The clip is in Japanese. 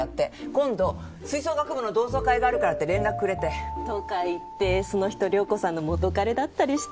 今度吹奏楽部の同窓会があるからって連絡くれて。とか言ってその人涼子さんの元カレだったりして。